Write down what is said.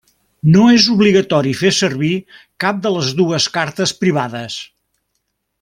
No és obligatori fer servir cap de les dues cartes privades.